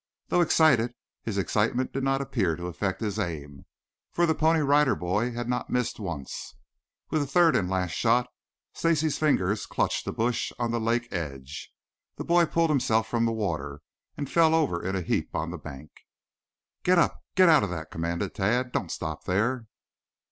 Though excited, his excitement did not appear to affect his aim, for the Pony Rider Boy had not missed once. With the third and last shot, Stacy's fingers clutched a bush on the lake edge. The boy pulled himself from the water and fell over in a heap on the bank. "Get up. Get out of that!" commanded Tad. "Don't stop there."